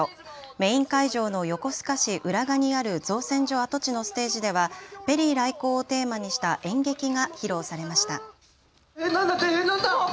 メイン会場の横須賀市浦賀にある造船所跡地のステージではペリー来航をテーマにした演劇が披露されました。